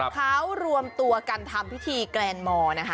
เขารวมตัวกันทำพิธีแกรนมอร์นะคะ